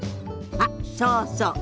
あっそうそう。